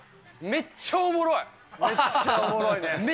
めっちゃおもろいね。